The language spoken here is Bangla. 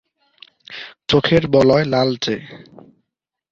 চোখের বলয় লালচে।